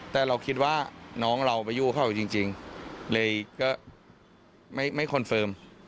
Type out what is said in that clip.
แต่เราคิดว่าน้องเราไปยู่เขาจริงเลยก็ไม่คอนเฟิร์ม